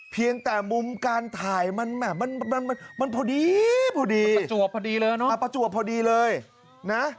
เพียงแต่มุมการถ่ายมันพอดีประจวบพอดีเลยนะ